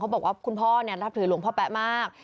บอกว่าคุณพ่อนับถือหลวงพ่อแป๊ะมาก